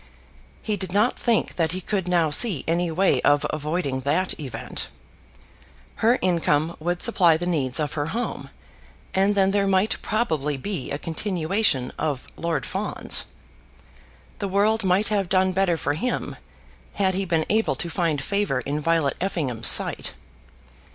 He did not think that he could now see any way of avoiding that event. Her income would supply the needs of her home, and then there might probably be a continuation of Lord Fawns. The world might have done better for him, had he been able to find favour in Violet Effingham's sight.